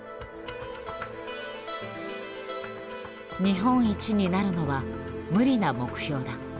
「日本一になるのは無理な目標だ。